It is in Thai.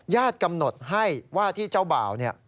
ญาติกำหนดให้วาทิเจ้าบ่าว